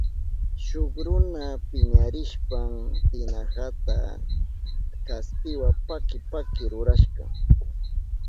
Shuk runa piñarishpan tinahata kaspiwa paki paki rurashka.